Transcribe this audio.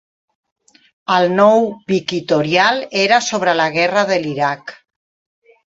El nou Wikitorial era sobre la Guerra de l'Iraq.